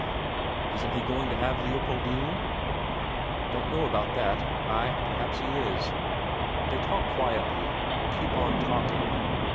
"Isn't he going to have Leopoldine?" "Don't know about that. Ay; perhaps he is." They talk quietly, keep on talking.